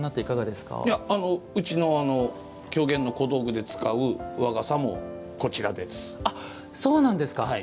うちの狂言の小道具で使う和傘もこちらです。